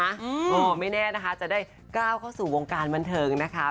เออไม่แน่นะคะจะได้ก้าวเข้าสู่วงการบันเทิงนะคะ